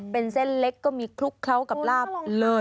เป็นเส้นเล็กก็มีคลุกเคล้ากับลาบเลย